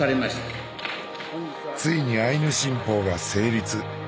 ついにアイヌ新法が成立。